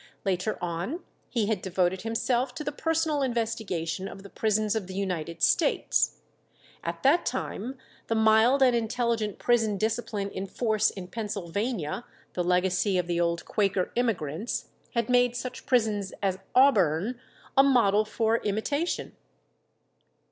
Later on he had devoted himself to the personal investigation of the prisons of the United States. At that time the mild and intelligent prison discipline in force in Pennsylvania, the legacy of the old Quaker immigrants, had made such prisons as Auburn a model for imitation.